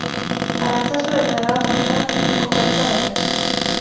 Arantzazu eta Araotz artean kokatuta daude.